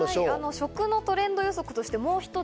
食のトレンド予測としてもう一つ。